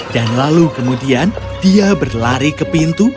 dan lalu kemudian dia berlari ke pintu